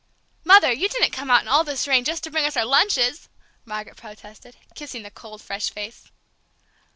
"Mother, you didn't come out in all this rain just to bring us our lunches!" Margaret protested, kissing the cold, fresh face.